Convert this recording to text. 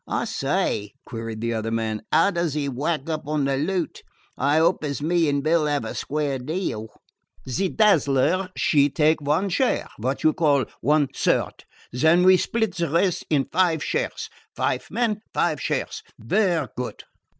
"I say," queried the other man, "'ow does 'e whack up on the loot? I 'ope as me and Bill 'ave a square deal." "Ze Dazzler she take one share what you call one third; den we split ze rest in five shares. Five men, five shares. Vaire good."